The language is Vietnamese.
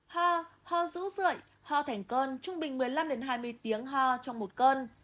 hoa hoa dữ dưỡi hoa thành cơn trung bình một mươi năm hai mươi tiếng hoa trong một cơn